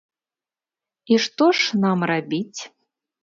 І што ж нам рабіць?